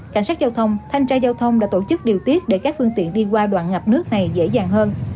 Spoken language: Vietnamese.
cảnh sát giao thông thanh tra giao thông đã tổ chức điều tiết để các phương tiện đi qua đoạn ngập nước này dễ dàng hơn